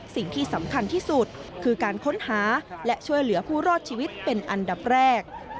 สิ่งที่สำคัญที่สุดคือการค้นหาและช่วยเหลือผู้รอดชีวิตเป็นอันดับแรก